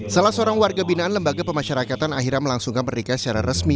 salah seorang warga binaan lembaga pemasyarakatan akhirnya melangsungkan pernikahan secara resmi